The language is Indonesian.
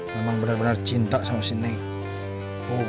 memang benar benar cinta sama si neng